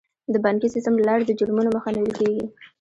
د بانکي سیستم له لارې د جرمونو مخه نیول کیږي.